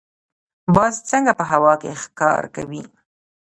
باز څنګه په هوا کې ښکار کوي؟